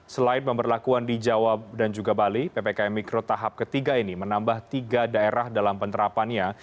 selain pemberlakuan di jawa dan juga bali ppkm mikro tahap ketiga ini menambah tiga daerah dalam penerapannya